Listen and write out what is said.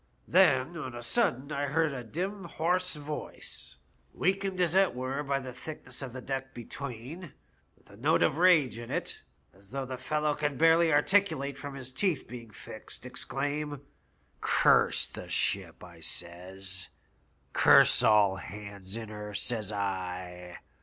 Then, on a sudden, I heard a dim hoarse voice — weakened as it were by the thickness of the deck between, with a note of rage in it as though the fellow could barely articulate for his teeth being fixed — exclaim, * Curse the ship, I says/ curse all hands in her, says I.